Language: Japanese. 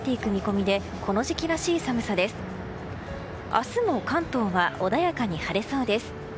明日も関東は穏やかに晴れそうです。